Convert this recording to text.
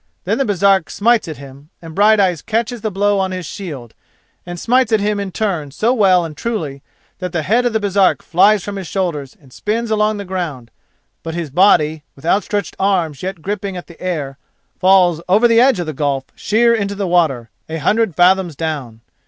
Then the Baresark smites at him and Brighteyes catches the blow on his shield, and smites at him in turn so well and truly, that the head of the Baresark flies from his shoulders and spins along the ground, but his body, with outstretched arms yet gripping at the air, falls over the edge of the gulf sheer into the water, a hundred fathoms down.